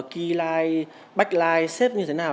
keyline backline shape như thế nào